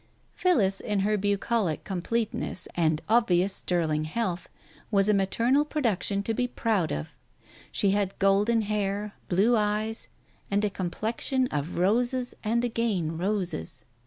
Phillis, in her bucolic completeness and obvious ster ling health, was a maternal production to be proud of. She had golden hair, blue eyes and a complexion of roses and again roses.